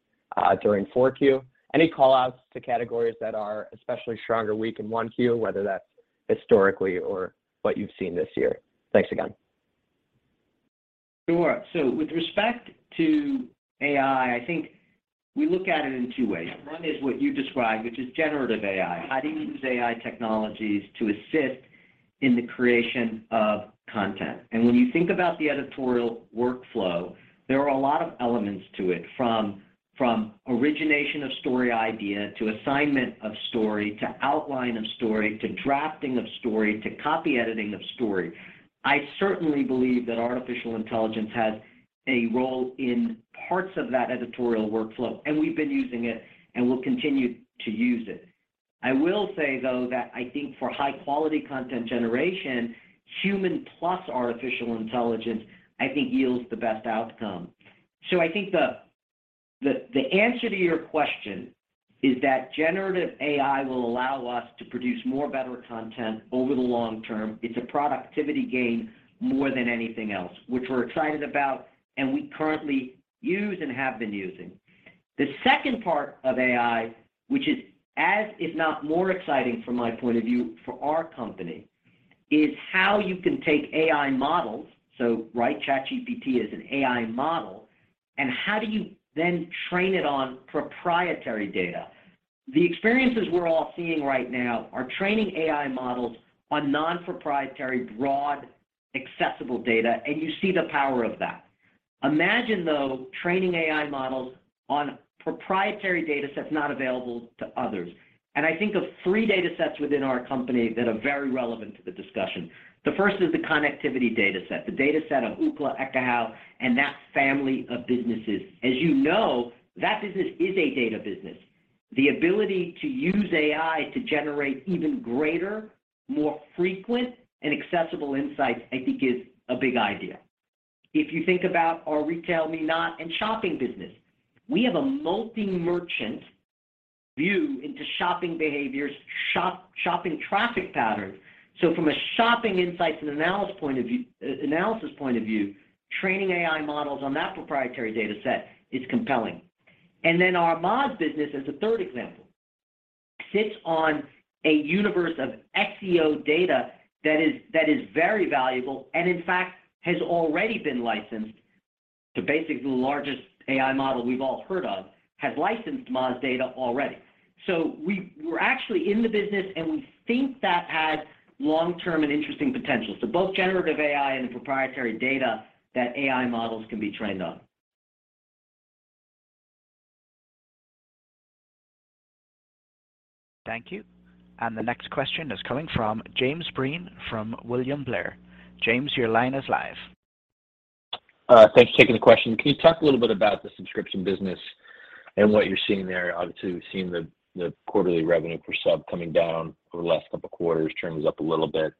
during 4Q. Any call-outs to categories that are especially strong or weak in 1Q, whether that's historically or what you've seen this year? Thanks again. Sure. With respect to AI, I think we look at it in two ways. One is what you described, which is generative AI. How do you use AI technologies to assist in the creation of content? When you think about the editorial workflow, there are a lot of elements to it, from origination of story idea to assignment of story, to outline of story, to drafting of story, to copy editing of story. I certainly believe that artificial intelligence has a role in parts of that editorial workflow, and we've been using it and will continue to use it. I will say, though, that I think for high-quality content generation, human plus artificial intelligence, I think yields the best outcome. I think the answer to your question is that generative AI will allow us to produce more better content over the long term. It's a productivity gain more than anything else, which we're excited about and we currently use and have been using. The second part of AI, which is as if not more exciting from my point of view for our company, is how you can take AI models. Right, ChatGPT is an AI model, and how do you then train it on proprietary data? The experiences we're all seeing right now are training AI models on non-proprietary, broad, accessible data, and you see the power of that. Imagine, though, training AI models on proprietary data sets not available to others. I think of three data sets within our company that are very relevant to the discussion. The first is the connectivity data set, the data set of Ookla, Ekahau, and that family of businesses. You know, that business is a data business. The ability to use AI to generate even greater, more frequent, and accessible insights, I think is a big idea. If you think about our RetailMeNot and shopping business, we have a multi-merchant view into shopping behaviors, shopping traffic patterns. From a shopping insights and analysis point of view, training AI models on that proprietary data set is compelling. Our Moz business as a third example, sits on a universe of SEO data that is very valuable and in fact has already been licensed. Basically, the largest AI model we've all heard of has licensed Moz data already. We're actually in the business, and we think that has long-term and interesting potential. Both generative AI and proprietary data that AI models can be trained on. Thank you. The next question is coming from James Breen from William Blair. James, your line is live. Thanks for taking the question. Can you talk a little bit about the subscription business and what you're seeing there? Obviously, we've seen the quarterly revenue per sub coming down over the last couple of quarters, churn was up a little bit.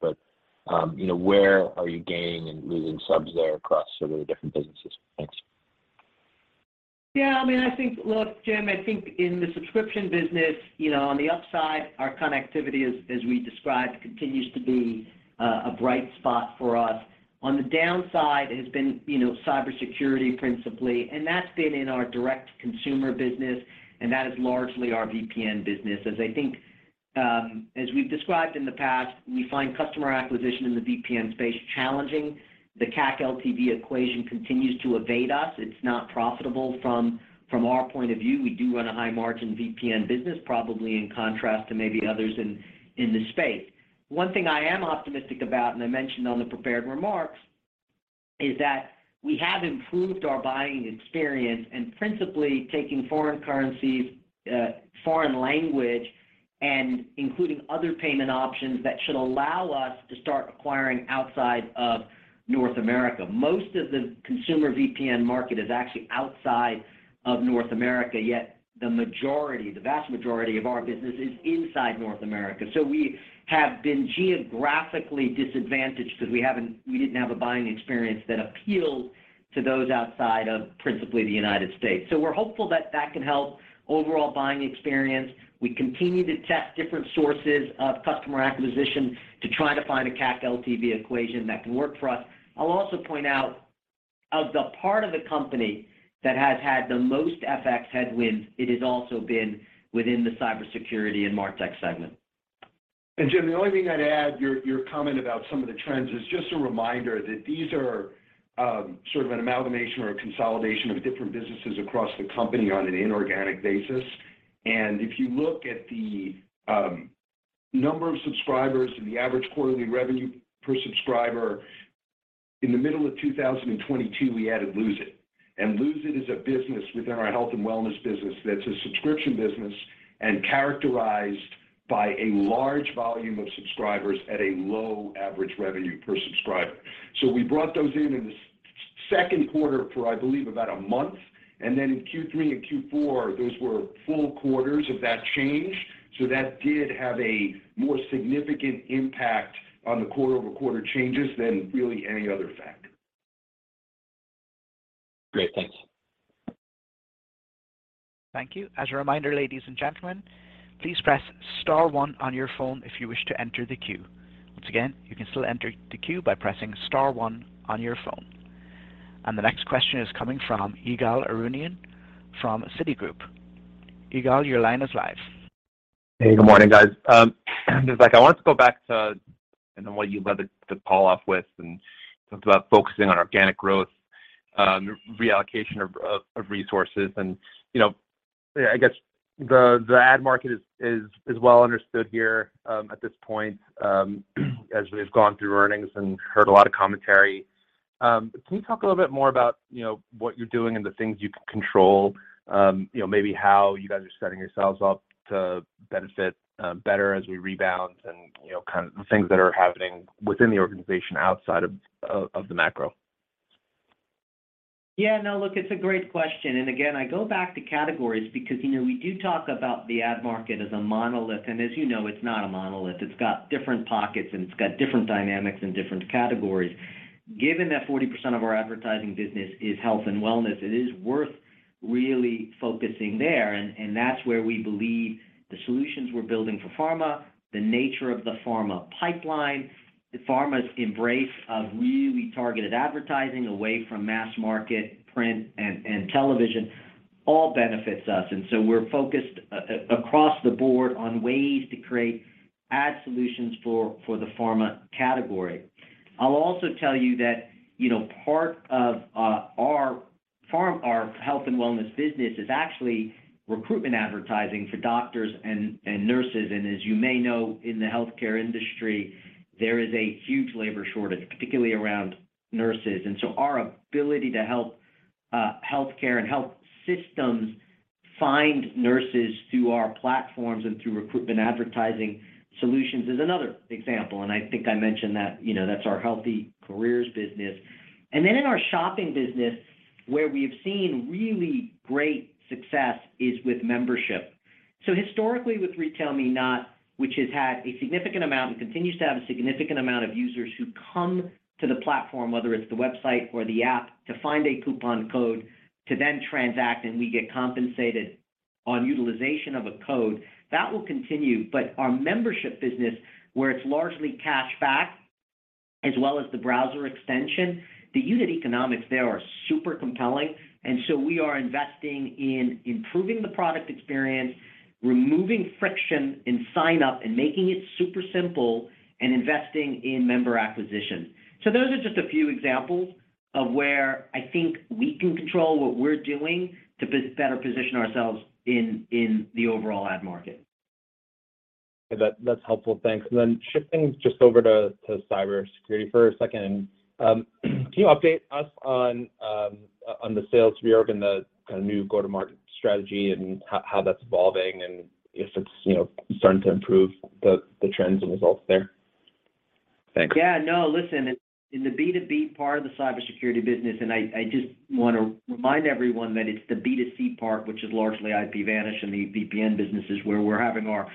You know, where are you gaining and losing subs there across sort of the different businesses? Thanks. Yeah, I mean, I think. Look, James, I think in the subscription business, you know, on the upside, our connectivity, as we described, continues to be a bright spot for us. On the downside, it has been, you know, cybersecurity principally, and that's been in our direct-to-consumer business, and that is largely our VPN business. As I think, as we've described in the past, we find customer acquisition in the VPN space challenging. The CAC LTV equation continues to evade us. It's not profitable from our point of view. We do run a high-margin VPN business, probably in contrast to maybe others in the space. One thing I am optimistic about, I mentioned on the prepared remarks, is that we have improved our buying experience and principally taking foreign currencies, foreign language and including other payment options that should allow us to start acquiring outside of North America. Most of the consumer VPN market is actually outside of North America. Yet the majority, the vast majority of our business is inside North America. We have been geographically disadvantaged because we didn't have a buying experience that appealed to those outside of principally the United States. We're hopeful that that can help overall buying experience. We continue to test different sources of customer acquisition to try to find a CAC LTV equation that can work for us. I'll also point out, of the part of the company that has had the most FX headwinds, it has also been within the cybersecurity and MarTech segment. James, the only thing I'd add, your comment about some of the trends is just a reminder that these are, sort of an amalgamation or a consolidation of different businesses across the company on an inorganic basis. If you look at the number of subscribers and the average quarterly revenue per subscriber, in the middle of 2022, we added Lose It!, and Lose It! is a business within our health and wellness business that's a subscription business and characterized by a large volume of subscribers at a low average revenue per subscriber. We brought those in in the second quarter for, I believe, about a month. Then in Q3 and Q4, those were full quarters of that change. That did have a more significant impact on the quarter-over-quarter changes than really any other factor. Great. Thanks. Thank you. As a reminder, ladies and gentlemen, please press star one on your phone if you wish to enter the queue. Once again, you can still enter the queue by pressing star one on your phone. The next question is coming from Ygal Arounian from Citigroup. Ygal, your line is live. Hey, good morning, guys. Just like I wanted to go back to, and what you led the call off with and talked about focusing on organic growth, reallocation of resources. You know, yeah, I guess the ad market is well understood here, at this point, as we've gone through earnings and heard a lot of commentary. Can you talk a little bit more about, you know, what you're doing and the things you can control? You know, maybe how you guys are setting yourselves up to benefit, better as we rebound and, you know, kind of the things that are happening within the organization outside of the macro? Yeah, no, look, it's a great question. Again, I go back to categories because, you know, we do talk about the ad market as a monolith. As you know, it's not a monolith. It's got different pockets, and it's got different dynamics and different categories. Given that 40% of our advertising business is health and wellness, it is worth really focusing there. And that's where we believe the solutions we're building for pharma, the nature of the pharma pipeline, the pharma's embrace of really targeted advertising away from mass market print and television all benefits us. So we're focused across the board on ways to create ad solutions for the pharma category. I'll also tell you that, you know, part of our health and wellness business is actually recruitment advertising for doctors and nurses. As you may know, in the healthcare industry, there is a huge labor shortage, particularly around nurses. Our ability to help healthcare and health systems find nurses through our platforms and through recruitment advertising solutions is another example. I think I mentioned that, you know, that's our HealtheCareers business. In our shopping business, where we've seen really great success is with membership. Historically with RetailMeNot, which has had a significant amount and continues to have a significant amount of users who come to the platform, whether it's the website or the app, to find a coupon code to then transact, and we get compensated on utilization of a code. That will continue, but our membership business, where it's largely cash back as well as the browser extension, the unit economics there are super compelling. We are investing in improving the product experience, removing friction in sign up and making it super simple and investing in member acquisition. Those are just a few examples of where I think we can control what we're doing to better position ourselves in the overall ad market. That's helpful. Thanks. Shifting just over to cybersecurity for a second. Can you update us on the sales reorg and the kind of new go-to-market strategy and how that's evolving and if it's, you know, starting to improve the trends and results there? Thanks. Yeah, no, listen. In the B2B part of the cybersecurity business, and I just wanna remind everyone that it's the B2C part, which is largely IPVanish and the VPN businesses where we're having our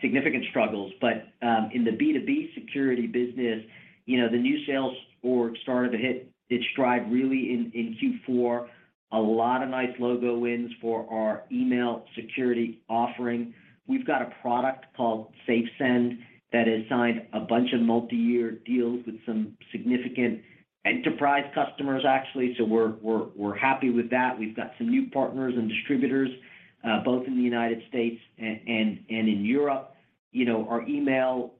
significant struggles. In the B2B security business, you know, the new sales org started to hit its stride really in Q4. A lot of nice logo wins for our email security offering. We've got a product called SafeSend that has signed a bunch of multi-year deals with some significant enterprise customers, actually. We're happy with that. We've got some new partners and distributors, both in the United States and in Europe. You know, our email,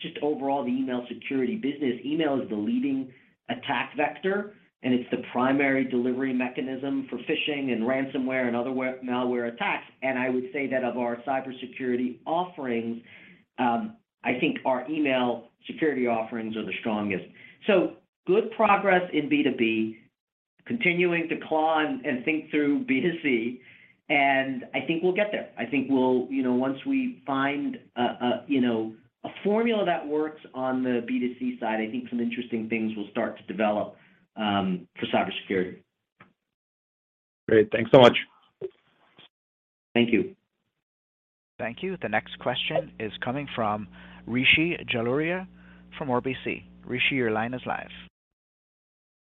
just overall the email security business, email is the leading attack vector, and it's the primary delivery mechanism for phishing and ransomware and other malware attacks. I would say that of our cybersecurity offerings, I think our email security offerings are the strongest. Good progress in B2B, continuing to claw and think through B2C, and I think we'll get there. I think we'll, you know, once we find a, you know, a formula that works on the B2C side, I think some interesting things will start to develop for cybersecurity. Great. Thanks so much. Thank you. Thank you. The next question is coming from Rishi Jaluria from RBC. Rishi, your line is live.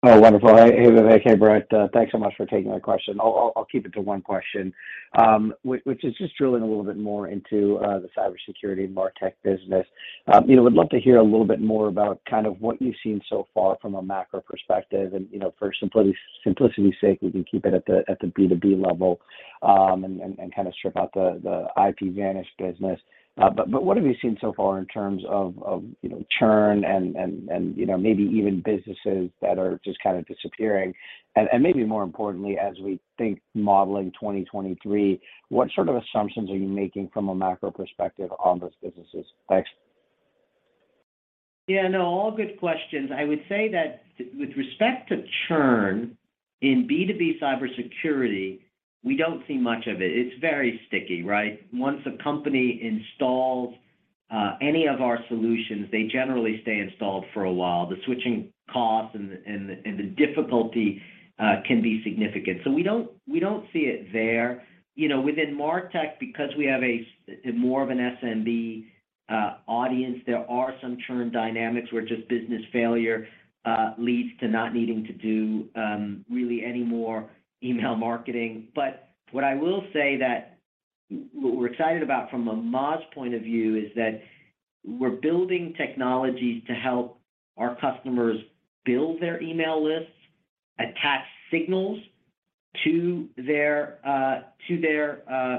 Oh, wonderful. Hey, Vivek. Hey, Bret. Thanks so much for taking my question. I'll keep it to one question. which is just drilling a little bit more into the cybersecurity MarTech business. you know, would love to hear a little bit more about kind of what you've seen so far from a macro perspective. you know, for simplicity's sake, we can keep it at the B2B level, and kind of strip out the IPVanish business. but what have you seen so far in terms of, you know, churn and, you know, maybe even businesses that are just kind of disappearing? and maybe more importantly, as we think modeling 2023, what sort of assumptions are you making from a macro perspective on those businesses? Thanks. Yeah, no, all good questions. I would say that with respect to churn in B2B cybersecurity, we don't see much of it. It's very sticky, right? Once a company installs any of our solutions, they generally stay installed for a while. The switching costs and the difficulty can be significant. We don't see it there. You know, within MarTech, because we have a more of an SMB audience, there are some churn dynamics where just business failure leads to not needing to do really any more email marketing. What I will say that what we're excited about from a MarTech point of view is that we're building technologies to help our customers build their email lists, attach signals to their to their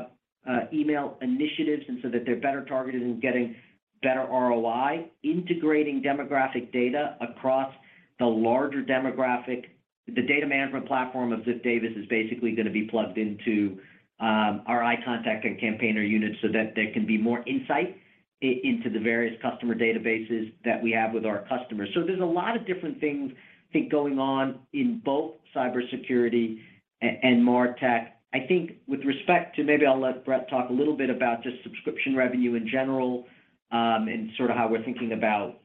email initiatives and so that they're better targeted in getting better ROI, integrating demographic data across the larger demographic. The data management platform of Ziff Davis is basically gonna be plugged into our iContact and Campaigner units so that there can be more insight into the various customer databases that we have with our customers. There's a lot of different things, I think, going on in both cybersecurity and MarTech. I think with respect to. Maybe I'll let Bret talk a little bit about just subscription revenue in general and sort of how we're thinking about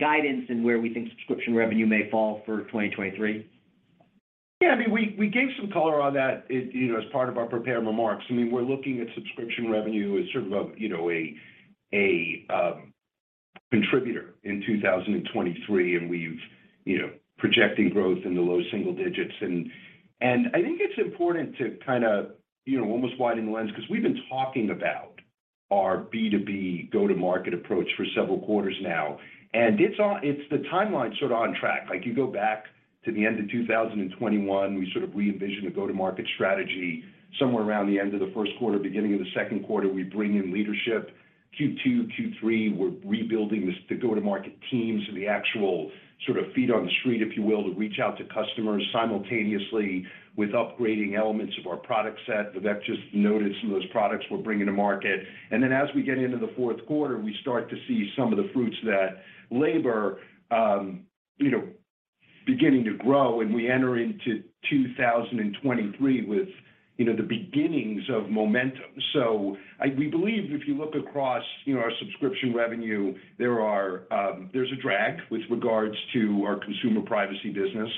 guidance and where we think subscription revenue may fall for 2023. Yeah. I mean, we gave some color on that, you know, as part of our prepared remarks. I mean, we're looking at subscription revenue as sort of a, you know, a contributor in 2023, we've, you know, projecting growth in the low single digits. I think it's important to kind of, you know, almost widen the lens because we've been talking about our B2B go-to-market approach for several quarters now. It's the timeline sort of on track. Like, you go back to the end of 2021, we sort of re-envisioned a go-to-market strategy. Somewhere around the end of the first quarter, beginning of the second quarter, we bring in leadership. Q2, Q3, we're rebuilding this, the go-to-market teams and the actual sort of feet on the street, if you will, to reach out to customers simultaneously with upgrading elements of our product set. Vivek just noted some of those products we're bringing to market. As we get into the fourth quarter, we start to see some of the fruits of that labor, you know, beginning to grow, and we enter into 2023 with, you know, the beginnings of momentum. We believe if you look across, you know, our subscription revenue, there are, there's a drag with regards to our consumer privacy business.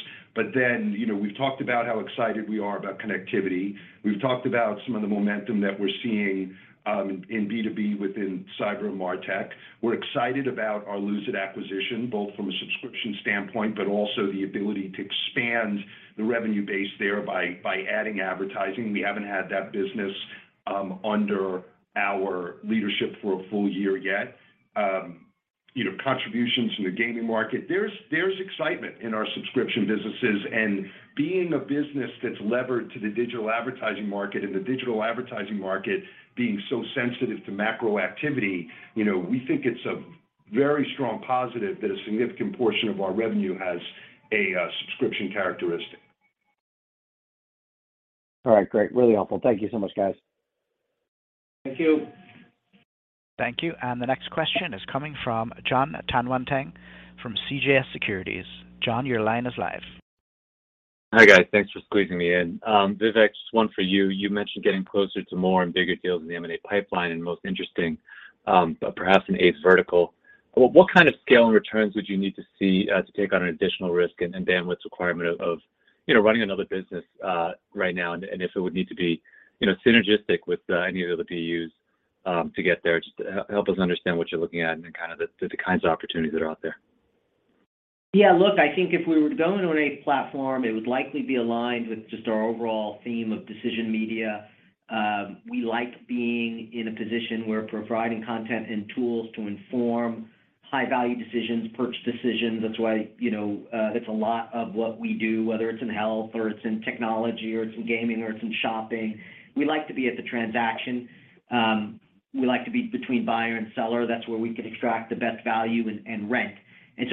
Then, you know, we've talked about how excited we are about connectivity. We've talked about some of the momentum that we're seeing, in B2B within cyber and MarTech. We're excited about our Lose It! acquisition, both from a subscription standpoint, but also the ability to expand the revenue base there by adding advertising. We haven't had that business under our leadership for a full year yet. You know, contributions from the gaming market. There's excitement in our subscription businesses. Being a business that's levered to the digital advertising market and the digital advertising market being so sensitive to macro activity, you know, we think it's a very strong positive that a significant portion of our revenue has a subscription characteristic. All right. Great. Really helpful. Thank you so much, guys. Thank you. Thank you. The next question is coming from Jon Tanwanteng from CJS Securities. Jon, your line is live. Hi, guys. Thanks for squeezing me in. Vivek, just one for you. You mentioned getting closer to more and bigger deals in the M&A pipeline and most interesting, perhaps in a vertical. What kind of scale and returns would you need to see to take on an additional risk and bandwidth requirement of, you know, running another business right now, and if it would need to be, you know, synergistic with any of the other BUs to get there? Just help us understand what you're looking at and kind of the kinds of opportunities that are out there. Look, I think if we were to go into an eighth platform, it would likely be aligned with just our overall theme of decision media. We like being in a position where providing content and tools to inform high-value decisions, purchase decisions. That's why, you know, it's a lot of what we do, whether it's in health or it's in technology or it's in gaming or it's in shopping. We like to be at the transaction. We like to be between buyer and seller. That's where we can extract the best value and rent.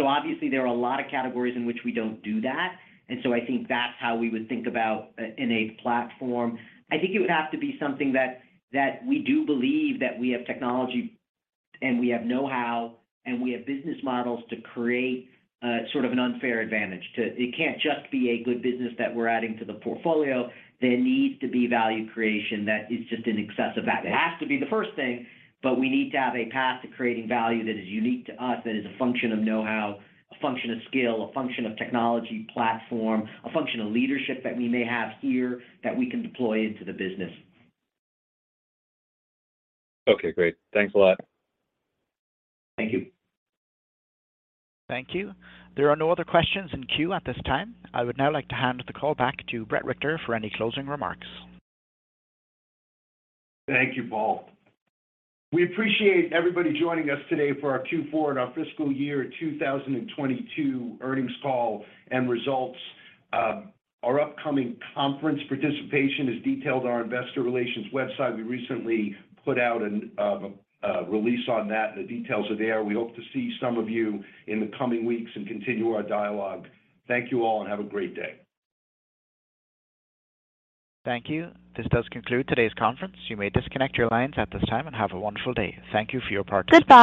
Obviously there are a lot of categories in which we don't do that. I think that's how we would think about in a platform. I think it would have to be something that we do believe that we have technology and we have know-how, and we have business models to create sort of an unfair advantage. It can't just be a good business that we're adding to the portfolio. There needs to be value creation that is just in excess of that. It has to be the first thing, but we need to have a path to creating value that is unique to us, that is a function of know-how, a function of scale, a function of technology platform, a function of leadership that we may have here that we can deploy into the business. Okay, great. Thanks a lot. Thank you. Thank you. There are no other questions in queue at this time. I would now like to hand the call back to Bret Richter for any closing remarks. Thank you, Paul. We appreciate everybody joining us today for our Q4 and our fiscal year 2022 earnings call and results. Our upcoming conference participation is detailed on our investor relations website. We recently put out a release on that. The details are there. We hope to see some of you in the coming weeks and continue our dialogue. Thank you all, and have a great day. Thank you. This does conclude today's conference. You may disconnect your lines at this time, and have a wonderful day. Thank you for your participation.